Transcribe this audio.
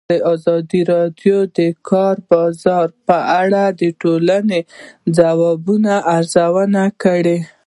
ازادي راډیو د د کار بازار په اړه د ټولنې د ځواب ارزونه کړې.